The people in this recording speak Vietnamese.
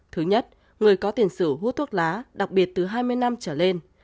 thứ nhất người có tiền sử hút thuốc lá đặc biệt từ hai mươi năm trở lên